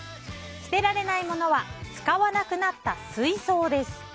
捨てられないものは使わなくなった水槽です。